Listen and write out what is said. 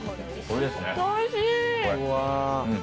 おいしい！